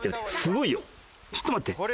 ちょっと待って。